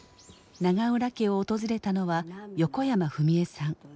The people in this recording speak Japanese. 永浦家を訪れたのは横山フミエさん。